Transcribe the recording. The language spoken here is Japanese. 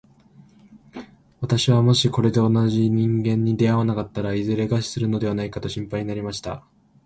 私はもしこれで同じ人間に出会わなかったら、いずれ餓死するのではないかと心配になりました。